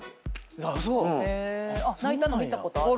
泣いたの見たことある？